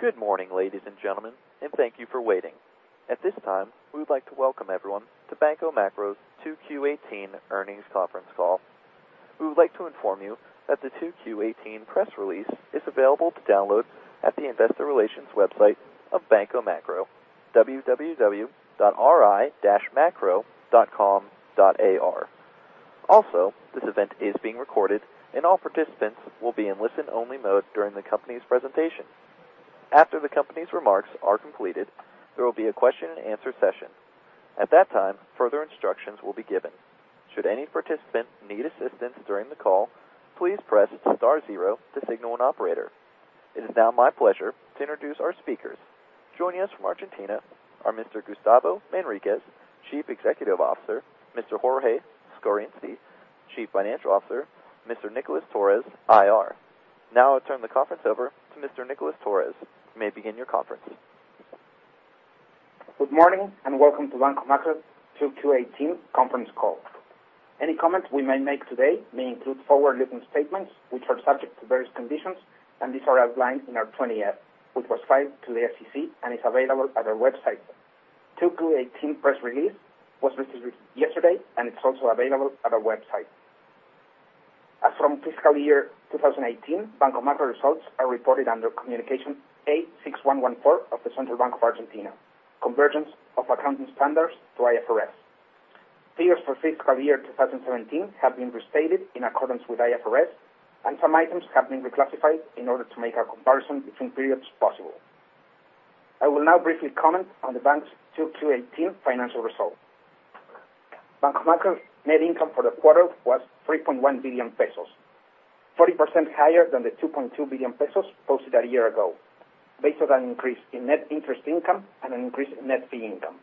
Good morning, ladies and gentlemen, and thank you for waiting. At this time, we would like to welcome everyone to Banco Macro's 2Q18 earnings conference call. We would like to inform you that the 2Q18 press release is available to download at the investor relations website of Banco Macro, www.ri-macro.com.ar. Also, this event is being recorded, and all participants will be in listen-only mode during the company's presentation. After the company's remarks are completed, there will be a question and answer session. At that time, further instructions will be given. Should any participant need assistance during the call, please press star zero to signal an operator. It is now my pleasure to introduce our speakers. Joining us from Argentina are Mr. Gustavo Manriquez, Chief Executive Officer, Mr. Jorge Scarinci, Chief Financial Officer, Mr. Nicolás Torres, IR. I'll turn the conference over to Mr. Nicolás Torres. You may begin your conference. Good morning and welcome to Banco Macro 2Q18 conference call. Any comments we may make today may include forward-looking statements, which are subject to various conditions, these are outlined in our 20-F, which was filed to the SEC and is available at our website. 2Q18 press release was released yesterday, it's also available at our website. As from fiscal year 2018, Banco Macro results are reported under Communication A-6114 of the Central Bank of Argentina, convergence of accounting standards to IFRS. Figures for fiscal year 2017 have been restated in accordance with IFRS, some items have been reclassified in order to make a comparison between periods possible. I will now briefly comment on the bank's 2Q18 financial results. Banco Macro's net income for the quarter was 3.1 billion pesos, 40% higher than the 2.2 billion pesos posted a year ago, based on an increase in net interest income and an increase in net fee income.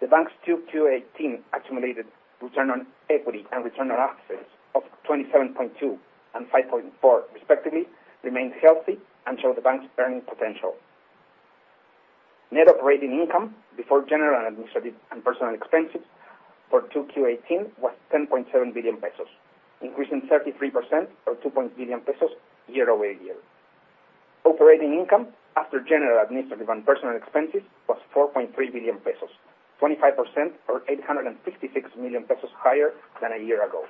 The bank's 2Q18 accumulated return on equity and return on assets of 27.2% and 5.4% respectively, remains healthy and shows the bank's earning potential. Net operating income before general and administrative and personal expenses for 2Q18 was 10.7 billion pesos, increasing 33% or 2 billion pesos year-over-year. Operating income after general, administrative, and personal expenses was 4.3 billion pesos, 25% or 866 million pesos higher than a year ago.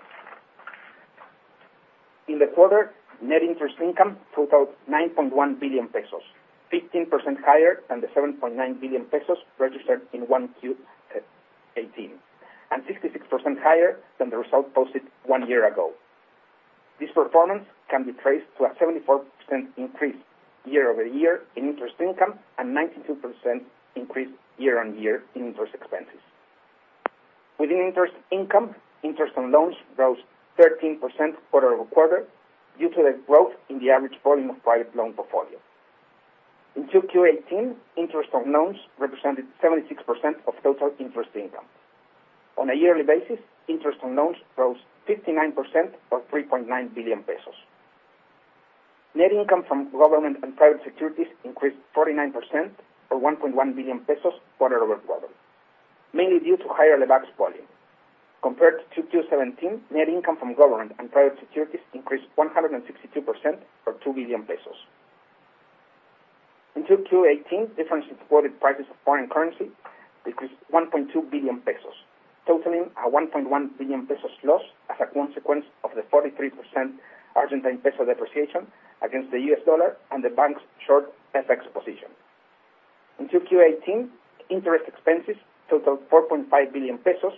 The quarter, net interest income totaled 9.1 billion pesos, 15% higher than the 7.9 billion pesos registered in 1Q18, 66% higher than the result posted one year ago. This performance can be traced to a 74% increase year-over-year in interest income and 92% increase year-on-year in interest expenses. Within interest income, interest on loans rose 13% quarter-over-quarter due to the growth in the average volume of private loan portfolio. In 2Q18, interest on loans represented 76% of total interest income. On a yearly basis, interest on loans rose 59% or 3.9 billion pesos. Net income from government and private securities increased 49% or 1.1 billion pesos quarter-over-quarter, mainly due to higher Lebacs volume. Compared to 2Q17, net income from government and private securities increased 162% or ARS 2 billion. In 2Q18, difference in forward prices of foreign currency decreased 1.2 billion pesos, totaling an 1.1 billion pesos loss as a consequence of the 43% Argentine peso depreciation against the US dollar and the bank's short FX position. In 2Q18, interest expenses totaled 4.5 billion pesos,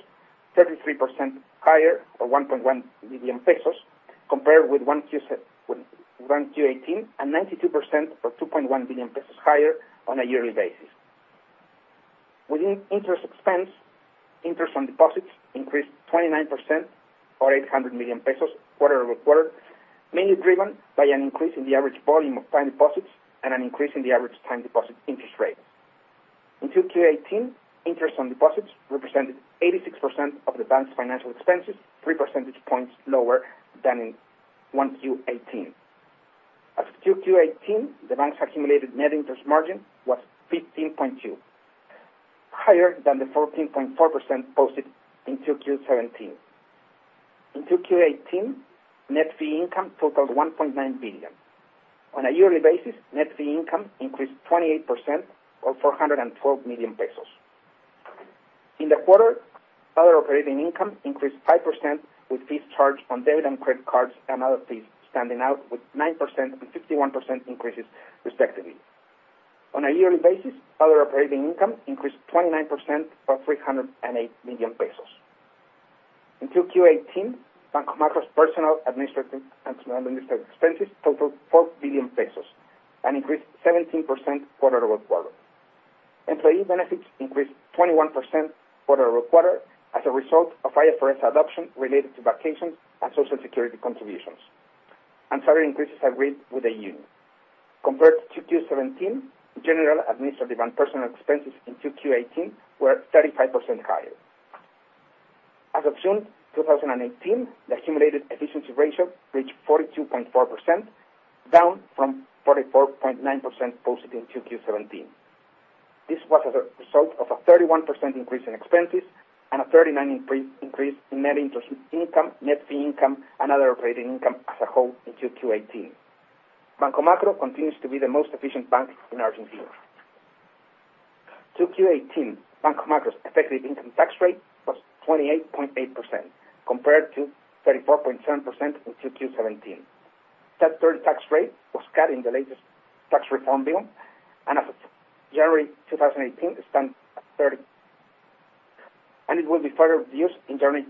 33% higher or 1.1 billion pesos compared with 1Q18, and 92% or 2.1 billion pesos higher on a yearly basis. Within interest expense, interest on deposits increased 29% or 800 million pesos quarter-over-quarter, mainly driven by an increase in the average volume of time deposits and an increase in the average time deposit interest rates. In 2Q18, interest on deposits represented 86% of the bank's financial expenses, 3 percentage points lower than in 1Q18. As of 2Q18, the bank's accumulated net interest margin was 15.2%, higher than the 14.4% posted in 2Q17. In 2Q18, net fee income totaled 1.9 billion. On a yearly basis, net fee income increased 28% or 412 million pesos. In the quarter, other operating income increased 5% with fees charged on debit and credit cards and other fees standing out with 9% and 51% increases respectively. On a yearly basis, other operating income increased 29% or ARS 308 million. In 2Q18, Banco Macro's personal, administrative, and general administrative expenses totaled 4 billion pesos and increased 17% quarter-over-quarter. Employee benefits increased 21% quarter-over-quarter as a result of IFRS adoption related to vacations and social security contributions, and salary increases agreed with the union. Compared to 2Q17, general, administrative, and personal expenses in 2Q18 were 35% higher. As of June 2018, the accumulated efficiency ratio reached 42.4%, down from 44.9% posted in 2Q17. This was as a result of a 31% increase in expenses and a 39% increase in net interest income, net fee income, and other operating income as a whole in 2Q18. Banco Macro continues to be the most efficient bank in Argentina. In 2Q18, Banco Macro's effective income tax rate was 28.8%, compared to 34.7% in 2Q17. That third tax rate was cut in the latest tax reform bill, and as of January 2018, it stands at 30%. And it will be further reduced in January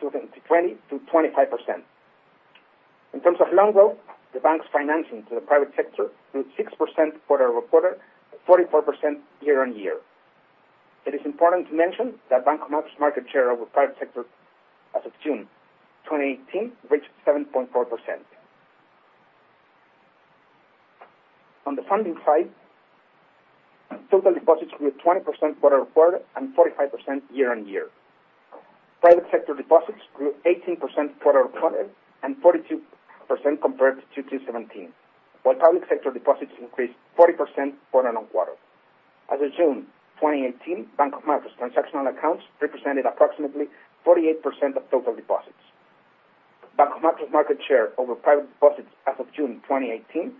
2020 to 25%. In terms of loan growth, the bank's financing to the private sector grew 6% quarter-over-quarter, 44% year-on-year. It is important to mention that Banco Macro's market share over private sector as of June 2018 reached 7.4%. On the funding side, total deposits grew 20% quarter-over-quarter and 45% year-on-year. Private sector deposits grew 18% quarter-over-quarter and 42% compared to 2017, while public sector deposits increased 40% quarter-on-quarter. As of June 2018, Banco Macro's transactional accounts represented approximately 48% of total deposits. Banco Macro's market share over private deposits as of June 2018,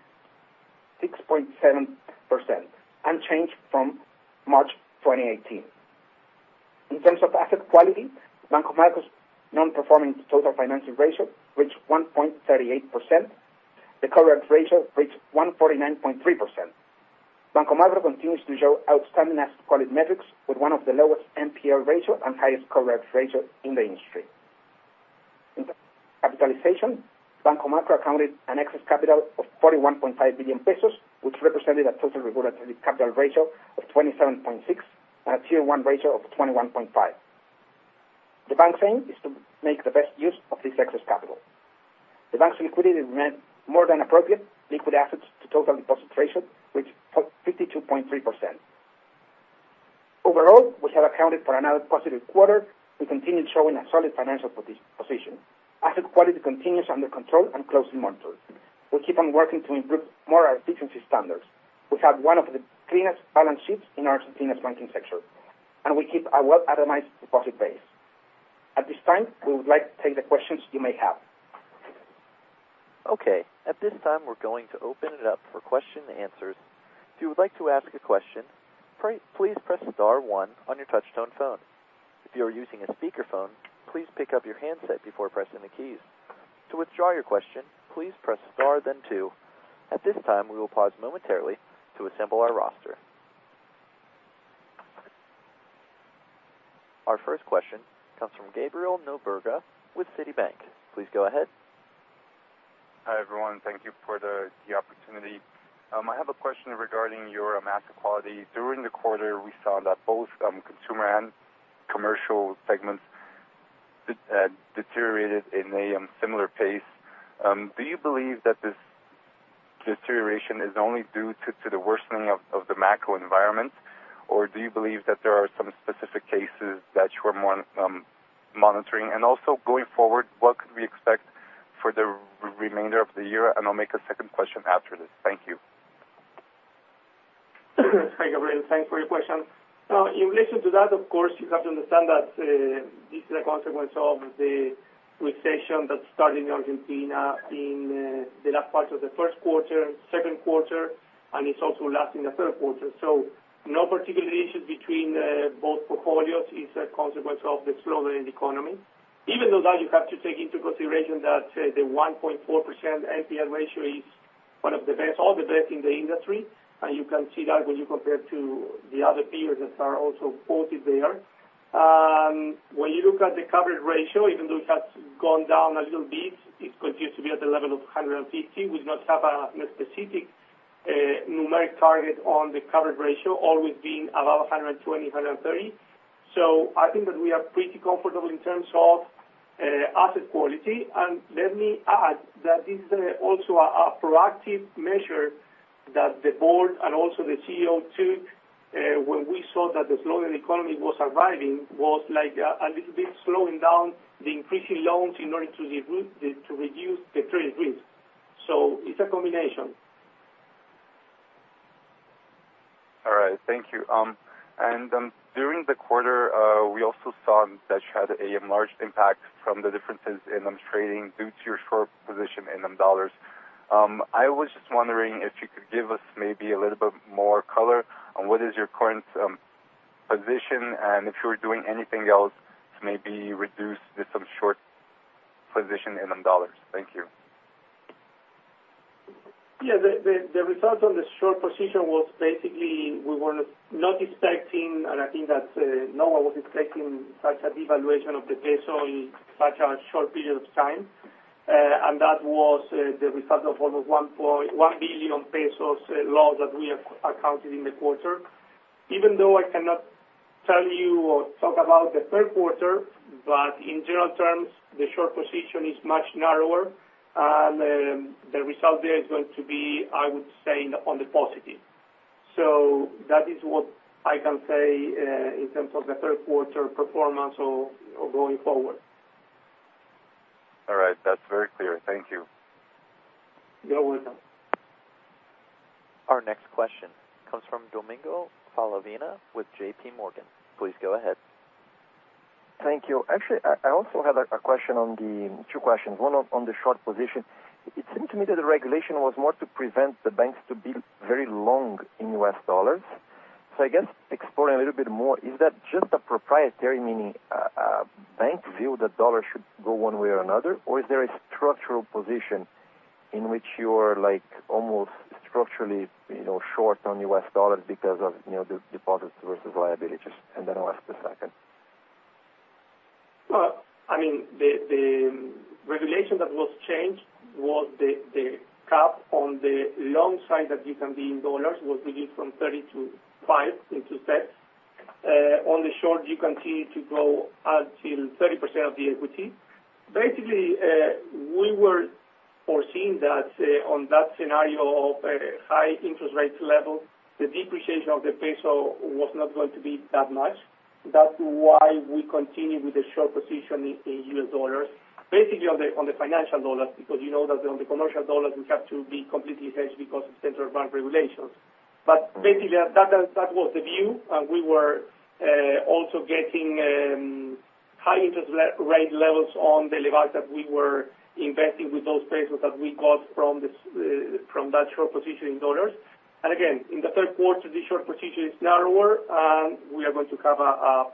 6.7%, unchanged from March 2018. In terms of asset quality, Banco Macro's non-performing total financial ratio reached 1.38%. The coverage ratio reached 149.3%. Banco Macro continues to show outstanding asset quality metrics, with one of the lowest NPR ratios and highest coverage ratios in the industry. In terms of capitalization, Banco Macro accounted an excess capital of 41.5 billion pesos, which represented a total regulatory capital ratio of 27.6% and a Tier 1 ratio of 21.5%. The bank's aim is to make the best use of this excess capital. The bank's liquidity remained more than appropriate. Liquid assets to total deposit ratio, which was 52.3%. Overall, we have accounted for another positive quarter. We continue showing a solid financial position. Asset quality continues under control and closely monitored. We keep on working to improve more our efficiency standards. We have one of the cleanest balance sheets in Argentina's banking sector, we keep a well-itemized deposit base. At this time, we would like to take the questions you may have. Okay, at this time, we're going to open it up for question and answers. If you would like to ask a question, please press star one on your touch tone phone. If you are using a speakerphone, please pick up your handset before pressing the keys. To withdraw your question, please press star, then two. At this time, we will pause momentarily to assemble our roster. Our first question comes from Gabriel Nóbrega with Citibank. Please go ahead. Hi, everyone. Thank you for the opportunity. I have a question regarding your asset quality. During the quarter, we saw that both consumer and commercial segments deteriorated in a similar pace. Do you believe that this deterioration is only due to the worsening of the macro environment, do you believe that there are some specific cases that you are monitoring? Also going forward, what could we expect for the remainder of the year? I'll make a second question after this. Thank you. Hi, Gabriel. In relation to that, of course, you have to understand that this is a consequence of the recession that started in Argentina in the last part of the first quarter, second quarter, and it's also lasting the third quarter. No particular issues between both portfolios. It's a consequence of the slowing economy. You have to take into consideration that the 1.4% NPL ratio is one of the best, or the best, in the industry, and you can see that when you compare to the other peers that are also quoted there. When you look at the coverage ratio, even though it has gone down a little bit, it continues to be at the level of 150. We do not have a specific numeric target on the coverage ratio, always being above 120, 130. I think that we are pretty comfortable in terms of asset quality. Let me add that this is also a proactive measure that the board and also the CEO took when we saw that the slowing economy was arriving, was a little bit slowing down the increasing loans in order to reduce the trade risk. It's a combination. All right. Thank you. During the quarter, we also saw that you had a large impact from the differences in trading due to your short position in dollars. I was just wondering if you could give us maybe a little bit more color on what is your current position and if you're doing anything else to maybe reduce this short position in dollars. Thank you. The result on the short position was basically, we were not expecting, and I think that no one was expecting such a devaluation of the peso in such a short period of time. That was the result of almost 1 billion pesos loss that we accounted in the quarter. I cannot tell you or talk about the third quarter. In general terms, the short position is much narrower. The result there is going to be, I would say, on the positive. That is what I can say in terms of the third quarter performance or going forward. That's very clear. Thank you. You're welcome. Our next question comes from Domingo Pietrani with J.P. Morgan. Please go ahead. Thank you. Actually, I also have two questions. One on the short position. It seemed to me that the regulation was more to prevent the banks to be very long in U.S. dollars. I guess exploring a little bit more, is that just a proprietary, meaning, bank view that dollar should go one way or another? Or is there a structural position in which you're almost structurally short on U.S. dollars because of the deposits versus liabilities? Then I'll ask the second. The regulation that was changed was the cap on the long side that you can be in dollars was reduced from 30 to 5 in two steps. On the short, you can continue to grow until 30% of the equity. We were foreseeing that on that scenario of a high interest rates level, the depreciation of the peso was not going to be that much. That's why we continue with the short position in US dollars, basically on the financial dollars, because you know that on the commercial dollars, we have to be completely hedged because of Central Bank regulations. That was the view. We were also getting high interest rate levels on the Lebacs that we were investing with those pesos that we got from that short position in dollars. Again, in the third quarter, the short position is narrower, and we are going to cover a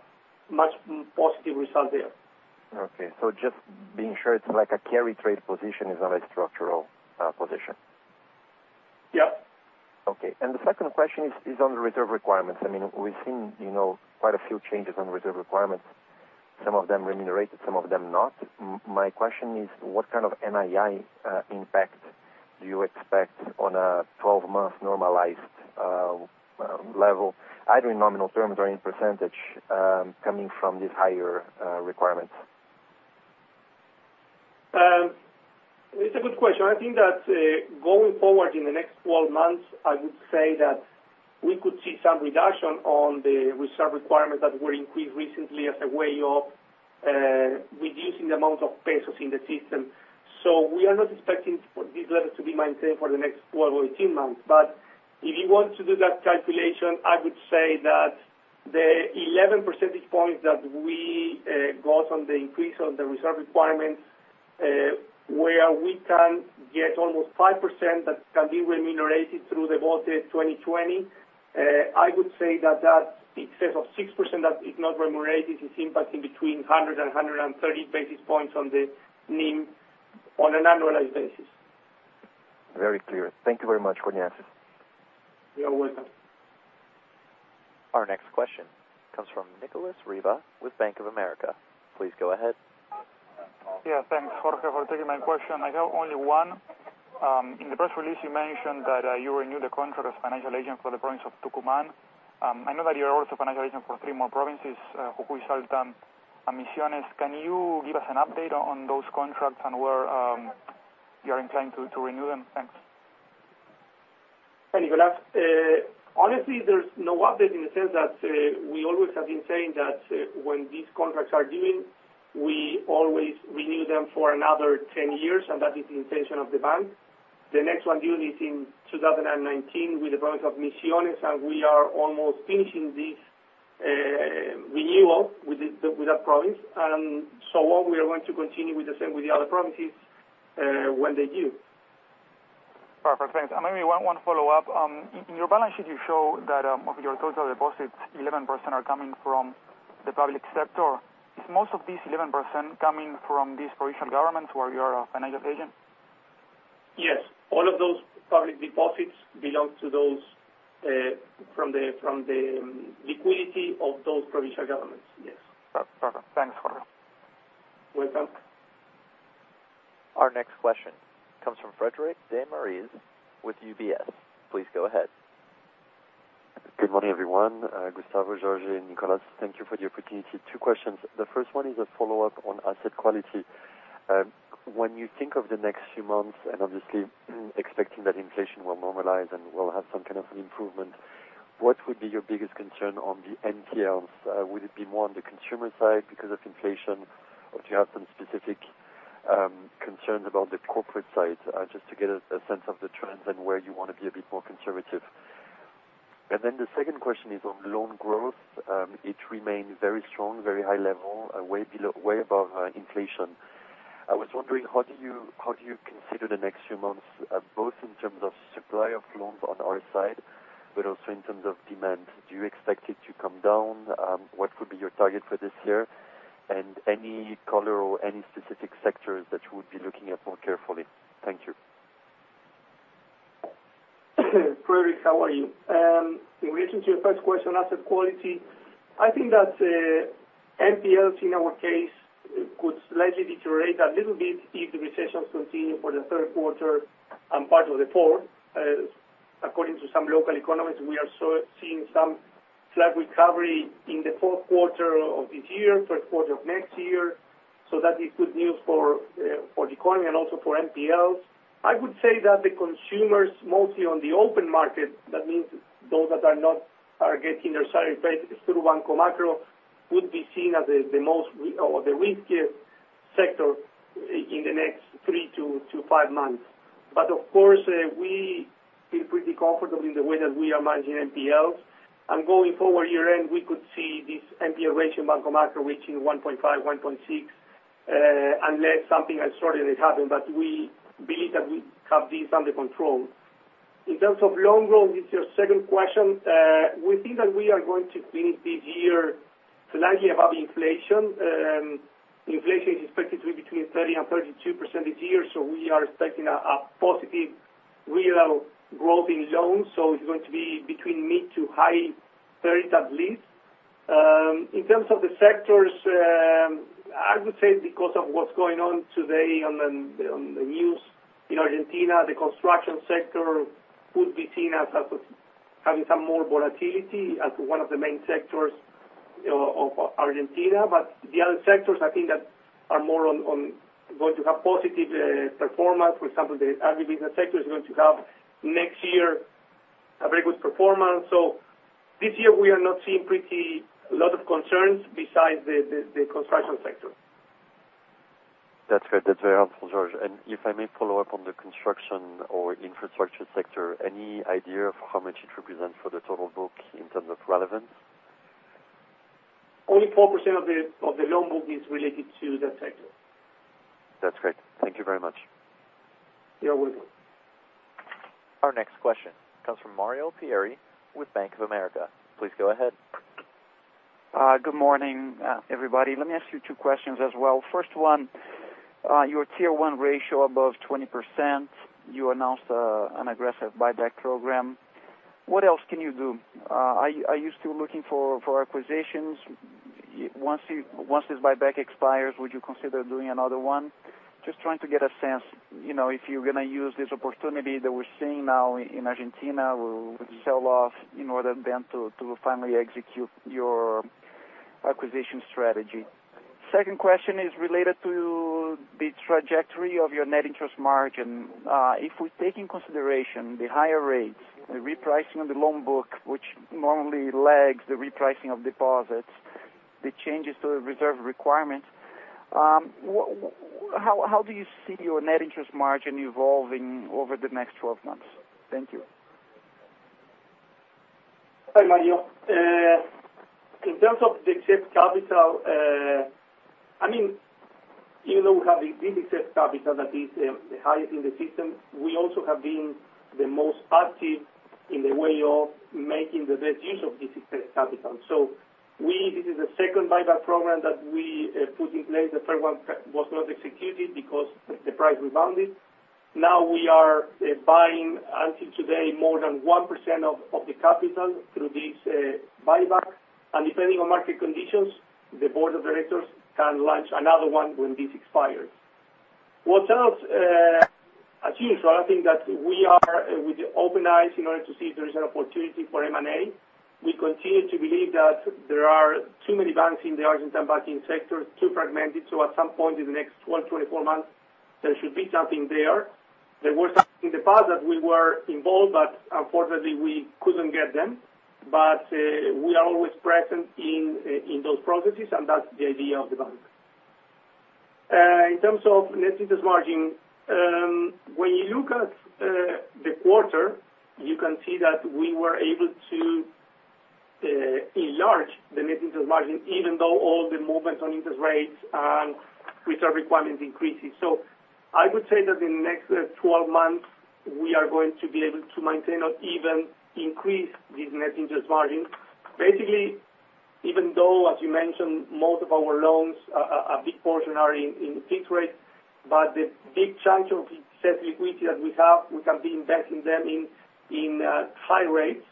much positive result there. Just being sure it's like a carry trade position is not a structural position. Yeah. The second question is on the reserve requirements. We've seen quite a few changes on reserve requirements. Some of them remunerated, some of them not. My question is, what kind of NII impact do you expect on a 12-month normalized level, either in nominal terms or in %, coming from these higher requirements? It's a good question. I think that going forward in the next 12 months, I would say that we could see some reduction on the reserve requirements that were increased recently as a way of reducing the amount of pesos in the system. We are not expecting these levels to be maintained for the next 12 or 18 months. If you want to do that calculation, I would say that the 11 percentage points that we got on the increase on the reserve requirements, where we can get almost 5% that can be remunerated through the LETE 2020, I would say that that excess of 6% that is not remunerated is impacting between 100 and 130 basis points on the NIM on an annualized basis. Very clear. Thank you very much, Jorge. You're welcome. Our next question comes from Nicolas Riva with Bank of America. Please go ahead. Yeah. Thanks, Jorge, for taking my question. I have only one. In the press release, you mentioned that you renewed the contract as financial agent for the province of Tucumán. I know that you are also financial agent for three more provinces, Jujuy, Salta, and Misiones. Can you give us an update on those contracts and where you are inclined to renew them? Thanks. Hi, Nicolas. Honestly, there's no update in the sense that we always have been saying that when these contracts are due, we always renew them for another 10 years, and that is the intention of the bank. The next one due is in 2019 with the province of Misiones, what we are going to continue with the same with the other provinces when they're due. Perfect. Thanks. Maybe one follow-up. In your balance sheet, you show that of your total deposits, 11% are coming from the public sector. Is most of this 11% coming from these provincial governments where you're a financial agent? Yes. All of those public deposits belong from the liquidity of those provincial governments. Yes. Perfect. Thanks, Jorge. Welcome. Our next question comes from Frederic de Mariz with UBS. Please go ahead. Good morning, everyone. Gustavo, Jorge, Nicolás, thank you for the opportunity. 2 questions. The first one is a follow-up on asset quality. When you think of the next few months, obviously expecting that inflation will normalize and we'll have some kind of an improvement, what would be your biggest concern on the NPLs? Would it be more on the consumer side because of inflation? Or do you have some specific concerns about the corporate side? Just to get a sense of the trends and where you want to be a bit more conservative. The second question is on loan growth. It remains very strong, very high level, way above inflation. I was wondering, how do you consider the next few months, both in terms of supply of loans on our side, but also in terms of demand? Do you expect it to come down? What could be your target for this year? Any color or any specific sectors that you would be looking at more carefully? Thank you. Frederic, how are you? In relation to your first question, asset quality, I think that NPLs, in our case, could slightly deteriorate a little bit if the recessions continue for the third quarter and part of the fourth. According to some local economists, we are seeing some slight recovery in the fourth quarter of this year, first quarter of next year. That is good news for the economy and also for NPLs. I would say that the consumers, mostly on the open market, that means those that are getting their salary paid through Banco Macro would be seen as the riskiest sector in the next three to five months. Of course, we feel pretty comfortable in the way that we are managing NPLs. Going forward, year-end, we could see this NPL ratio, Banco Macro reaching 1.5, 1.6, unless something extraordinary happens. We believe that we have this under control. In terms of loan growth, with your second question, we think that we are going to finish this year slightly above inflation. Inflation is expected to be between 30%-32% this year, we are expecting a positive real growth in loans. It's going to be between mid to high 30s at least. In terms of the sectors, I would say because of what's going on today on the news in Argentina, the construction sector would be seen as having some more volatility as one of the main sectors of Argentina. The other sectors, I think that are more going to have positive performance. For example, the agribusiness sector is going to have, next year, a very good performance. This year, we are not seeing pretty lot of concerns besides the construction sector. That's great. That's very helpful, Jorge. If I may follow up on the construction or infrastructure sector, any idea of how much it represents for the total book in terms of relevance? Only 4% of the loan book is related to that sector. That's great. Thank you very much. You are welcome. Our next question comes from Mario Pierry with Bank of America. Please go ahead. Good morning, everybody. Let me ask you two questions as well. First one, your Tier 1 ratio above 20%, you announced an aggressive buyback program. What else can you do? Are you still looking for acquisitions? Once this buyback expires, would you consider doing another one? Just trying to get a sense, if you're going to use this opportunity that we're seeing now in Argentina, would you sell off in order then to finally execute your acquisition strategy? Second question is related to the trajectory of your net interest margin. If we take in consideration the higher rates, the repricing of the loan book, which normally lags the repricing of deposits, the changes to the reserve requirements, how do you see your net interest margin evolving over the next 12 months? Thank you. Hi, Mario. Even though we have this excess capital that is the highest in the system, we also have been the most active in the way of making the best use of this excess capital. This is the second buyback program that we put in place. The first one was not executed because the price rebounded. Now we are buying, until today, more than 1% of the capital through this buyback. Depending on market conditions, the board of directors can launch another one when this expires. What else? As usual, I think that we are with open eyes in order to see if there is an opportunity for M&A. We continue to believe that there are too many banks in the Argentine banking sector, too fragmented. At some point in the next 12 to 24 months, there should be something there. There was something in the past that we were involved, but unfortunately, we couldn't get them. We are always present in those processes, and that's the idea of the bank. In terms of net interest margin, when you look at the quarter, you can see that we were able to enlarge the net interest margin, even though all the movements on interest rates and reserve requirement increases. I would say that in the next 12 months, we are going to be able to maintain or even increase this net interest margin. Basically, even though, as you mentioned, most of our loans, a big portion are in fixed rate, but the big chunk of excess liquidity that we have, we can be investing them in high rates.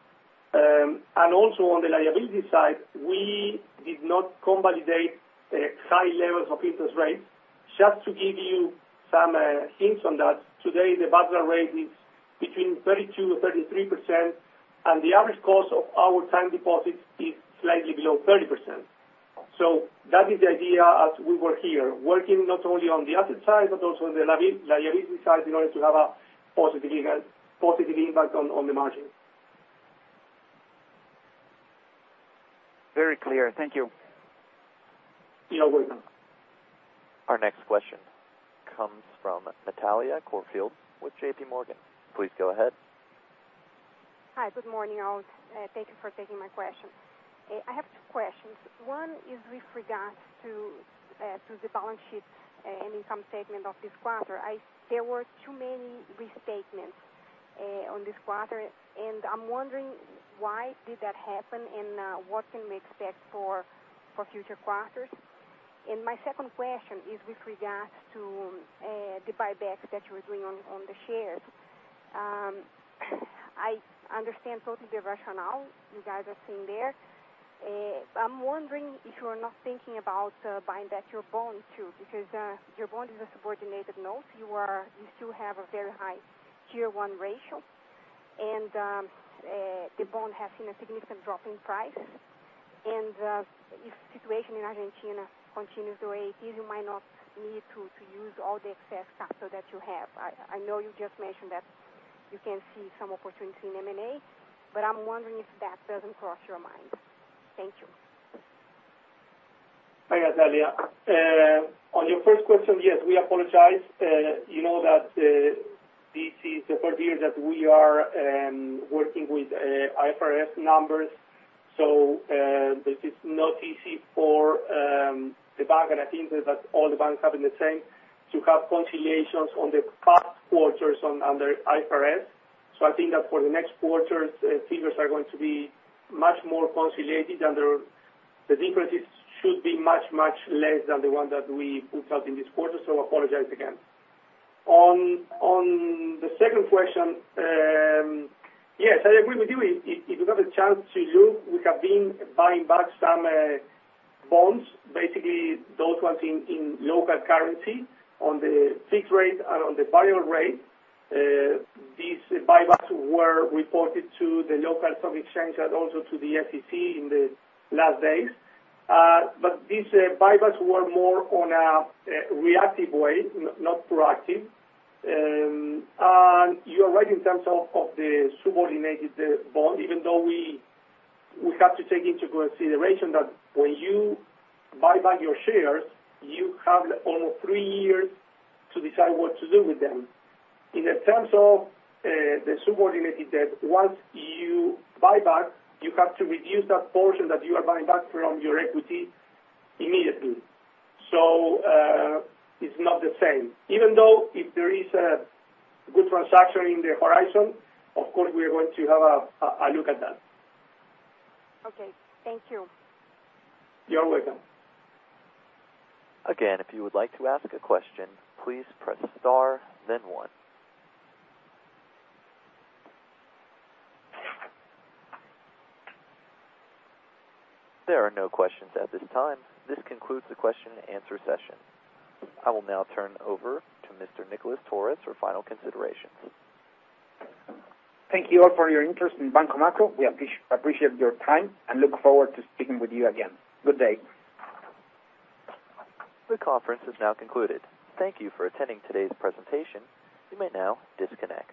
Also, on the liability side, we did not co-validate high levels of interest rates. Just to give you some hints on that, today, the Badlar rate is between 32% or 33%, and the average cost of our time deposits is slightly below 30%. That is the idea as we were here, working not only on the asset side, but also on the liability side in order to have a positive impact on the margin. Very clear. Thank you. You are welcome. Our next question comes from Natalia Corfield with JP Morgan. Please go ahead. Hi, good morning all. Thank you for taking my question. I have two questions. One is with regards to the balance sheet and income statement of this quarter. There were too many restatements on this quarter, and I'm wondering why did that happen, and what can we expect for future quarters? My second question is with regards to the buyback that you were doing on the shares. I understand totally the rationale you guys are seeing there. I'm wondering if you are not thinking about buying back your bond, too, because your bond is a subordinated note. You still have a very high Tier 1 ratio, and the bond has seen a significant drop in price. If the situation in Argentina continues the way it is, you might not need to use all the excess capital that you have. I know you just mentioned that you can see some opportunity in M&A, but I'm wondering if that doesn't cross your mind. Thank you. Hi, Natalia Corfield. On your first question, yes, we apologize. You know that this is the third year that we are working with IFRS numbers, this is not easy for the bank, and I think that all the banks are having the same, to have reconciliations on the past quarters under IFRS. I think that for the next quarters, figures are going to be much more reconciled, and the differences should be much, much less than the ones that we put out in this quarter, apologize again. On the second question, yes, I agree with you. If you have a chance to look, we have been buying back some bonds, basically those ones in local currency on the fixed rate and on the variable rate. These buybacks were reported to the local stock exchange and also to the SEC in the last days. These buybacks were more on a reactive way, not proactive. You are right in terms of the subordinated bond, even though we have to take into consideration that when you buy back your shares, you have almost three years to decide what to do with them. In the terms of the subordinated debt, once you buy back, you have to reduce that portion that you are buying back from your equity immediately. It's not the same. Even though if there is a good transaction in the horizon, of course, we are going to have a look at that. Okay. Thank you. You're welcome. Again, if you would like to ask a question, please press star, then one. There are no questions at this time. This concludes the question and answer session. I will now turn over to Mr. Nicolás Torres for final considerations. Thank you all for your interest in Banco Macro. We appreciate your time and look forward to speaking with you again. Good day. The conference is now concluded. Thank you for attending today's presentation. You may now disconnect.